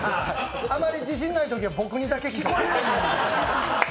あまり自信ないときは僕にだけ聞こえるように。